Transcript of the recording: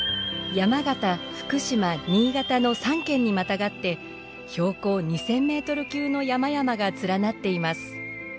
山形福島新潟の３県にまたがって標高２，０００メートル級の山々が連なっています。